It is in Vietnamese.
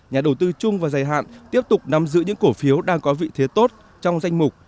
nhà đầu tư chung và dài hạn tiếp tục nằm giữ những cổ phiếu đang có vị thế tốt trong danh mục